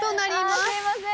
すいません。